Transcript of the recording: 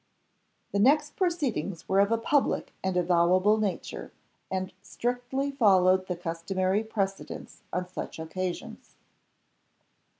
The next proceedings were of a public and avowable nature, and strictly followed the customary precedents on such occasions.